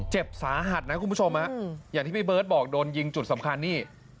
เจ็บสาหัสนะคุณผู้ชมอย่างที่พี่เบิร์ตบอกโดนยิงจุดสำคัญนี่